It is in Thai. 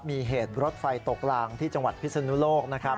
มีเหตุรถไฟตกลางที่จังหวัดพิศนุโลกนะครับ